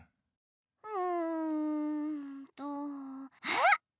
うんとあっ！